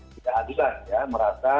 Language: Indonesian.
tidak adil lah ya merasa